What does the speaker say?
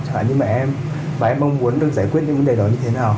chẳng hạn như mẹ em và em mong muốn được giải quyết những vấn đề đó như thế nào